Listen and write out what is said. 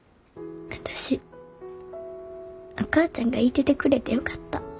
私お母ちゃんがいててくれてよかった。